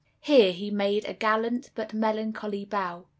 Here he made me a gallant but melancholy bow.